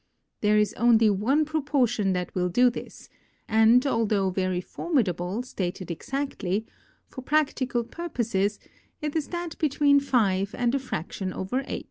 There is only one proportion that will do this, and although very formidable, stated exactly, for practical purposes, it is that between 5 and a fraction over 8.